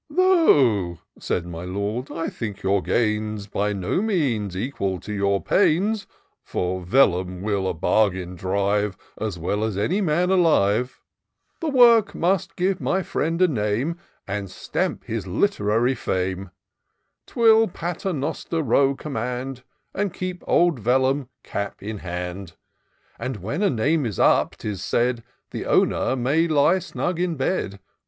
" Tho'," said my Lord, '* I think your gains By no means equal to your pains : (For Vellum will a bargain drive As well as any man alive ;) The work must give my &iend a name, And stamp his literary fame ; 'Twill Paternoster Row command, And keep old Vellum cap in hand ; 312 TOUR OP DOCTOR SYNTAX And when a name is up, *tis said^ The owner may lay snug in bed.